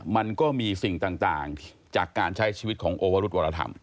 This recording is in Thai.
มันก็มีสิ่งต่างจากการใช้ชีวิตของโอวรุธวรธรรม